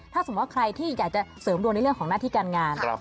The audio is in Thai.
ถ้าสมมุติว่าใครที่อยากจะเสริมดวงในเรื่องของหน้าที่การงาน